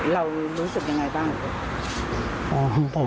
เรารู้สึกอย่างไรบ้าง